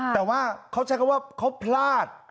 แต่ว่าเขาใช้คำว่าเขาพลาด